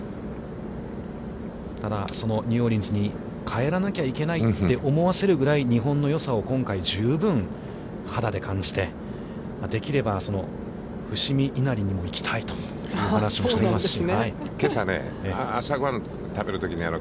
ただ、そのニューオリンズに帰らなければいけないって、思わせるぐらい、日本のよさを今回、十分肌で感じて、できれば、伏見稲荷にも行きたいという話もしていますし。